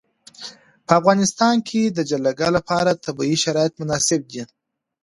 په افغانستان کې د جلګه لپاره طبیعي شرایط مناسب دي.